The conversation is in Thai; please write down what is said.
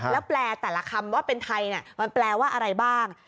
แล้วแปลแต่ละคำว่าเป็นไทยมันแปลว่าอะไรบ้าง